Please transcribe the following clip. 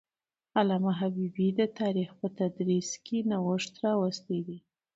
علامه حبيبي د تاریخ په تدریس کې نوښت راوستی دی.